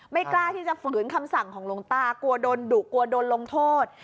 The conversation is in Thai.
กล้าที่จะฝืนคำสั่งของหลวงตากลัวโดนดุกลัวโดนลงโทษ